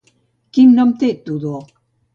Quin nom té Tudó?